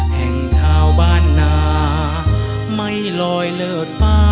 แห่งชาวบ้านนาไม่ลอยเลิศฟ้า